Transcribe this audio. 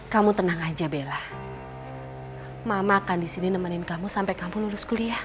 kamu tenang aja bella mama akan disini nemenin kamu sampai kamu lulus kuliah